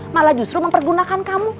malah justru mempergunakan kamu